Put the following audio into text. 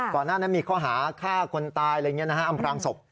ก่อนหน้านั้นมีข้อหาฆ่าคนตายอำพลังศพ